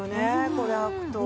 これはくと。